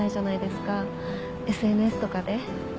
ＳＮＳとかで。